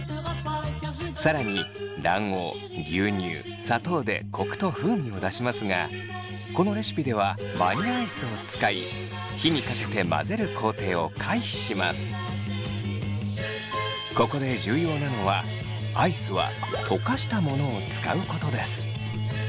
更に卵黄・牛乳・砂糖でコクと風味を出しますがこのレシピではバニラアイスを使いここで重要なのはアイスは溶かしたものを使うことです。